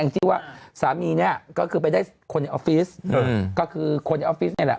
ที่ว่าสามีเนี่ยก็คือไปได้คนในออฟฟิศก็คือคนในออฟฟิศนี่แหละ